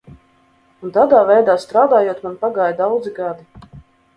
Un tādā veidā strādājot man pagāja daudzi gadi.